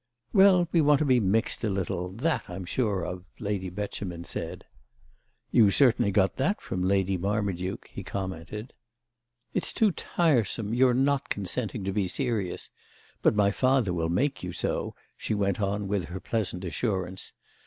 "Well, we want to be mixed a little. That I'm sure of," Lady Beauchemin said. "You certainly got that from Lady Marmaduke," he commented. "It's too tiresome, your not consenting to be serious! But my father will make you so," she went on with her pleasant assurance.